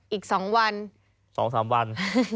อีก๒วัน๒๓วัน